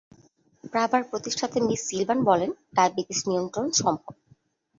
প্রাভার প্রতিষ্ঠাতা Miss Silvan বলেন, diabetes নিয়ন্ত্রণ করা সম্ভব।